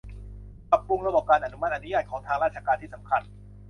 ปรับปรุงระบบการอนุมัติอนุญาตของทางราชการที่สำคัญ